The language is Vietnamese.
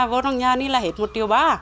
vô trong nhà này là hết một triệu ba